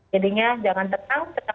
jadinya jangan tenang tetap berhati hati